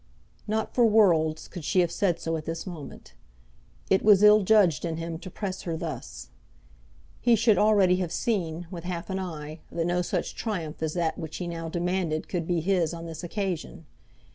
Not for worlds could she have said so at this moment. It was ill judged in him to press her thus. He should already have seen, with half an eye, that no such triumph as that which he now demanded could be his on this occasion.